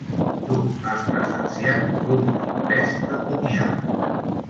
Tu has presenciat l'últim bes de comiat.